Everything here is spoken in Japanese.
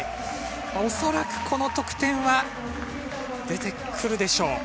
おそらくこの得点は出てくるでしょう。